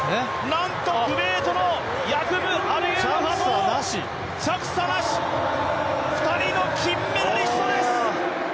なんとクウェートのヤクブ・アルユーハと着差なし、２人の金メダリストです。